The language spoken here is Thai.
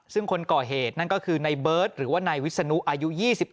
ซึ่งคนก่อเหตุนั่นก็คือนายเบิร์ตหรือว่านายวิศนุอายุ๒๑